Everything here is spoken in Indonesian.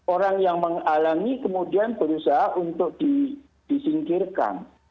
orang yang menghalangi kemudian berusaha untuk disingkirkan